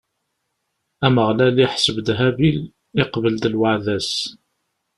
Ameɣlal iḥseb Habil, iqbel-d lweɛda-s.